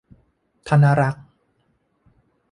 ธนรักษ์